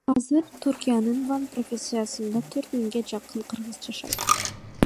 Азыр Түркиянын Ван провинциясында төрт миңге жакын кыргыз жашайт.